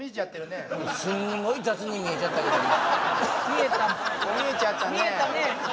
すんごい雑に見えちゃったけども・見えちゃったね・